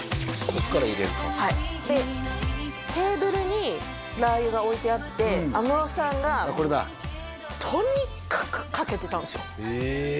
こっから入れるかテーブルにラー油が置いてあって安室さんがとにかくかけてたんですよえ